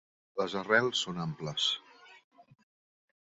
Les arrels són amples.